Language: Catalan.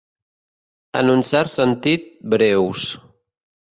En un cert sentit, breus.